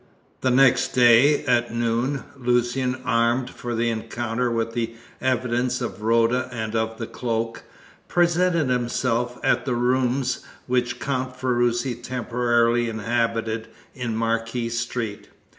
The next day, at noon, Lucian, armed for the encounter with the evidence of Rhoda and of the cloak, presented himself at the rooms which Count Ferruci temporarily inhabited in Marquis Street.